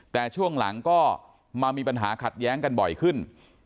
แต่ช่วงหลังก็มามีปัญหาขัดแย้งกันบ่อยขึ้น